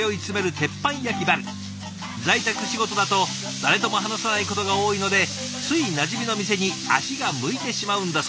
在宅仕事だと誰とも話さないことが多いのでついなじみの店に足が向いてしまうんだそう。